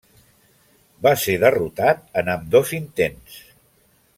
Va ser derrotat en ambdós intents.